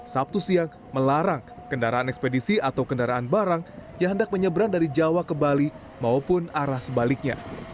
sabtu siang melarang kendaraan ekspedisi atau kendaraan barang yang hendak menyeberang dari jawa ke bali maupun arah sebaliknya